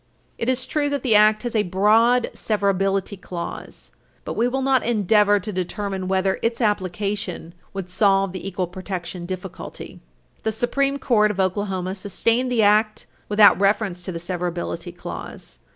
It is true that the Act has a broad severability clause. [Footnote 3] But we will not endeavor to determine whether its application Page 316 U. S. 543 would solve the equal protection difficulty. The Supreme Court of Oklahoma sustained the Act without reference to the severability clause.